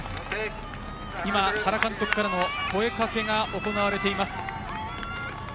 原監督からの声かけが行われています。